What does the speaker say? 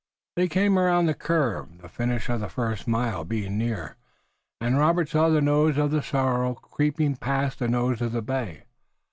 They came around the curve, the finish of the first mile being near, and Robert saw the nose of the sorrel creeping past the nose of the bay.